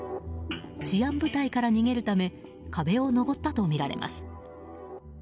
治安部隊から逃げるため壁を登ったとみられます。